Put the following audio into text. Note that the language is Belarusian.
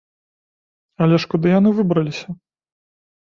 Але ж куды яны выбраліся?